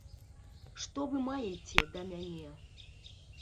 Што вы маеце да мяне?